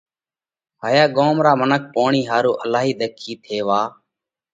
ھايا ڳوم را منک پوڻِي ۿارُو الھائي ۮکي ٿيوا